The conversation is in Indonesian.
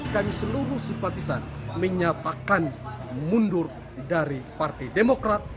dan seluruh simpatisan menyatakan mundur dari partai demokrat